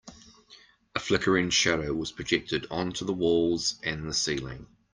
A flickering shadow was projected onto the walls and the ceiling.